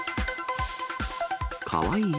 かわいい？